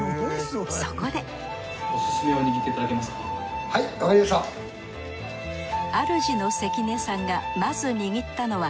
そこであるじの関根さんがまず握ったのは。